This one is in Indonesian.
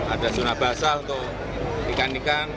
ada zona basah untuk ikan ikan